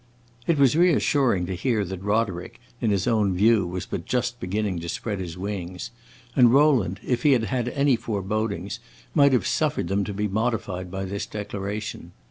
It was reassuring to hear that Roderick, in his own view, was but "just beginning" to spread his wings, and Rowland, if he had had any forebodings, might have suffered them to be modified by this declaration.